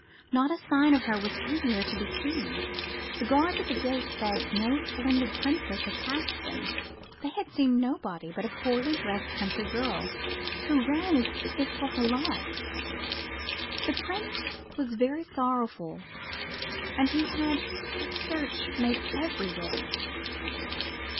Not a sign of her was anywhere to be seen. The guards at the gate said no splendid Princess had passed them. They had seen nobody but a poorly 172 UP ONE PAIR OF STAIRS dressed country girl, who ran as if for her life. The Prince was very sorrowful and he had a search made everywhere.